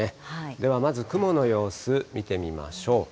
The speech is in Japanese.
ではまず、雲の様子、見てみましょう。